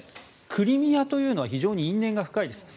クリミアというのは非常に因縁が深いです。